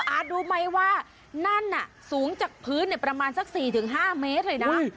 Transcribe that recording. รู้ไหมว่านั่นน่ะสูงจากพื้นประมาณสัก๔๕เมตรเลยนะ